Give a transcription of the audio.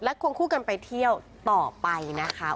ควงคู่กันไปเที่ยวต่อไปนะคะ